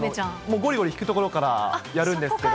ごりごりひくところからやるんですけど。